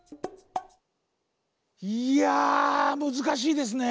いやむずかしいですね。